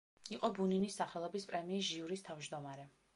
იყო ბუნინის სახელობის პრემიის ჟიურის თავმჯდომარე.